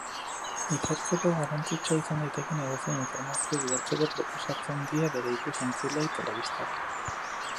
Ikertzeko garrantzitsua izan daitekeen edozein informazio bidaltzeko proposatzen die bere ikus-entzuleei telebistak.